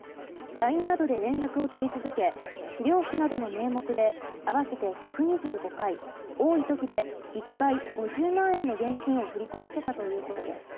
ＬＩＮＥなどで連絡を取り続け治療費などの名目で合わせて１２５回多い時で１回５０万円の現金を振り込ませたということです。